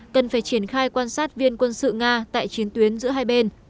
thông sát viên quân sự nga tại chiến tuyến giữa hai bên